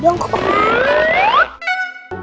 jangan ambil ter cette